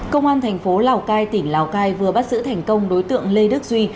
công an thành phố lào cai tỉnh lào cai vừa bắt giữ thành công đối tượng lê đức duy